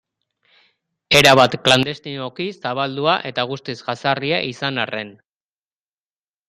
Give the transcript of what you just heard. Erabat klandestinoki zabaldua eta guztiz jazarria izan arren.